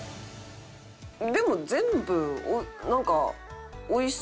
でも全部なんか。